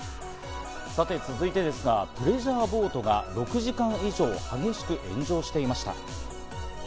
続いてですが、プレジャーボートが６時間以上激しく炎上していました。